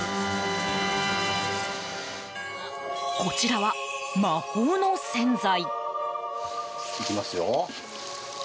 こちらは魔法の洗剤。